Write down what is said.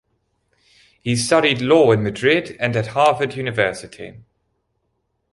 He studied law in Madrid and at Harvard University.